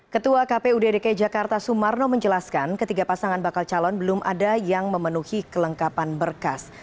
ketua kpu dki jakarta sumarno menjelaskan ketiga pasangan bakal calon belum ada yang memenuhi kelengkapan berkas